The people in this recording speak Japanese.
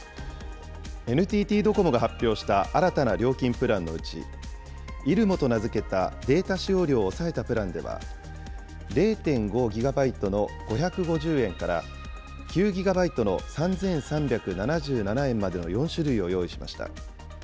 新たな料金プランのうち、ｉｒｕｍｏと名付けたデータ使用量を抑えたプランでは、０．５ギガバイトの５５０円から、９ギガバイトの３３７７円までの４種類を用意しました。